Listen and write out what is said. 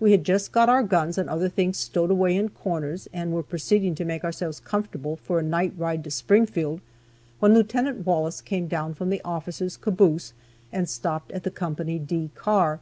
We had just got our guns and other things stowed away in corners, and were proceeding to make ourselves comfortable for a night ride to Springfield, when Lt. Wallace came down from the officers' caboose, and stopped at the Co. D car.